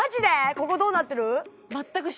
ここどうなってる？